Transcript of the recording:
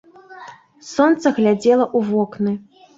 Сонца глядзела ў вокны.